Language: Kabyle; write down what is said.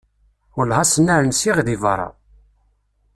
Welleh ass-nni ar nsiɣ deg berra!